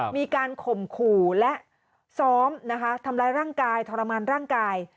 มีการข่มขู่และซ้อมนะคะทำร้ายร่างกายทรมานร่างกาย